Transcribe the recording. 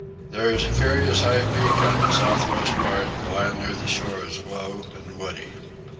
There is a curious high peak on the south west part: the land near the shore is low and woody.